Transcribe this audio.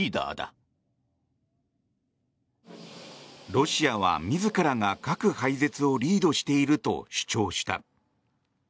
ロシアは自らが核廃絶をリードしていると主張した。